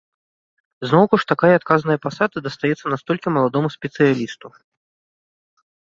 Зноўку ж такая адказная пасада дастаецца настолькі маладому спецыялісту.